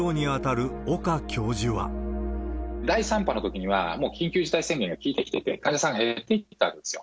第３波のときには、もう緊急事態宣言が効いてきてて、患者さんが減っていってたんですよ。